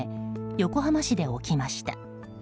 横浜市で起きました。